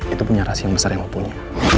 itu punya rahasia yang besar yang lu punya